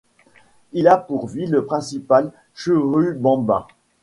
Il a pour ville principale Churubamba.